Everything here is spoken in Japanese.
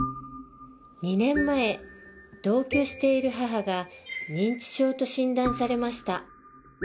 ２年前同居している母が認知症と診断されました。